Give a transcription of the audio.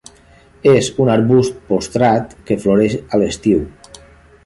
És un arbust postrat que floreix a l'estiu.